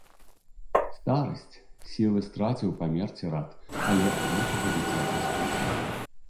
Старасць, сілы страціў, памерці рад, але гэтага дзіцяці шкада.